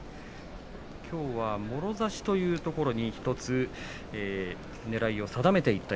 きょうは、もろ差しというところに１つねらいを定めていった